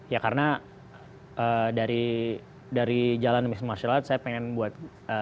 ya karena dari jalan miss martial art saya pengen buat